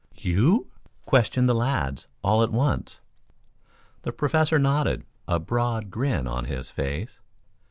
"You?" questioned the lads all at once. The Professor nodded, a broad grin on his face.